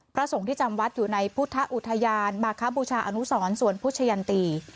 สงฆ์ที่จำวัดอยู่ในพุทธอุทยานมาคบูชาอนุสรสวนพุชยันตี